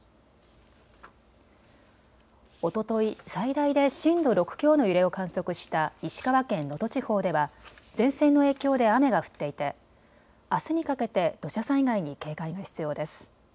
おととい、最大で震度６強の揺れを観測した石川県能登地方では前線の影響で雨が降っていてあすにかけて土砂災害に警戒が必要です。